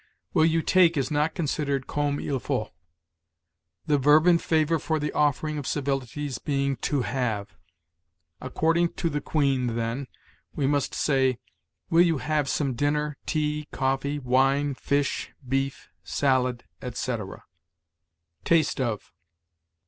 'Will you take' is not considered comme il faut; the verb in favor for the offering of civilities being to have." According to "The Queen," then, we must say, "Will you have some dinner, tea, coffee, wine, fish, beef, salad," etc. TASTE OF.